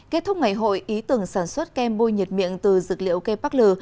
kết thúc ngày hội ý tưởng sản xuất kem bôi nhiệt miệng từ dược liệu kem bắc lừ